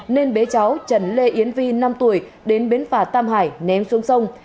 nên bế cháu trần lê yến vi năm tuổi đến bến phà tam hải ném xuống sông